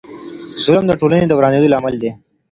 ظلم د ټولني د ورانیدو لامل دی.